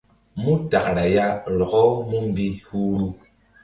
Mu takra ya rɔkɔ mú mbi huhru.